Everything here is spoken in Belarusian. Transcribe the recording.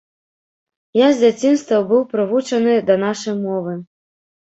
Я з дзяцінства быў прывучаны да нашай мовы.